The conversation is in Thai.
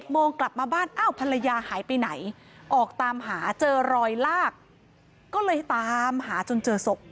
โมงกลับมาบ้านอ้าวภรรยาหายไปไหนออกตามหาเจอรอยลากก็เลยตามหาจนเจอศพ